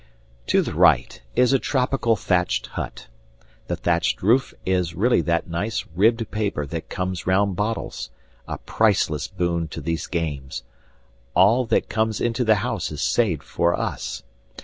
To the right is a tropical thatched hut. The thatched roof is really that nice ribbed paper that comes round bottles a priceless boon to these games. All that comes into the house is saved for us.